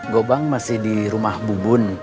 gobang masih di rumah bubun